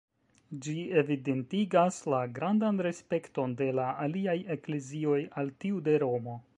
Ĝi evidentigas la grandan respekton de la aliaj eklezioj al tiu de Romo.